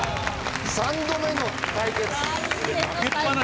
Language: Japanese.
３度目の対決。